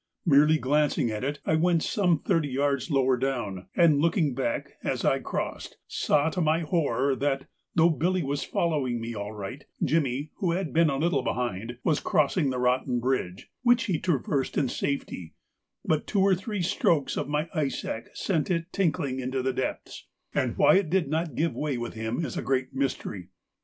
Merely glancing at it, I went some thirty yards lower down, and, looking back as I crossed, saw, to my horror, that, though Billy was following me all right, Jimmy, who had been a little behind, was crossing the rotten bridge, which he traversed in safety, but two or three strokes from my ice axe sent it tinkling into the depths, and why it did not give way with him is a great mystery.